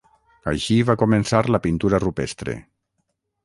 Així va començar la pintura rupestre.